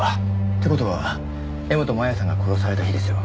って事は柄本麻耶さんが殺された日ですよ。